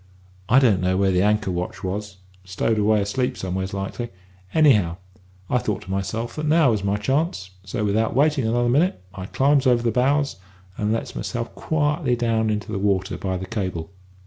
I don't know where the anchor watch was; stowed away asleep somewheres, likely. Anyhow, I thought to myself that now was my chance, so, without waiting another minute, I climbs over the bows, and lets myself quietly down into the water by the cable.